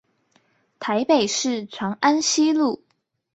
臺北市長安西路